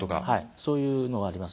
そういうのはあります。